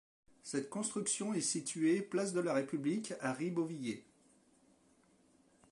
Cette construction est située place de la République à Ribeauvillé.